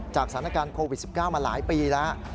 สถานการณ์โควิด๑๙มาหลายปีแล้ว